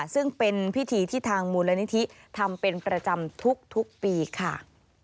ซึ่งเป็นพิธีที่ทางมูลนิธิทำเป็นประจำทุกปีค่ะ